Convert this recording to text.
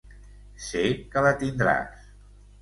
Sé que la tindràs.